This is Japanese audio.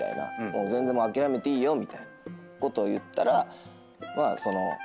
全然諦めていいよみたいなことを言ったらまあ彼女が。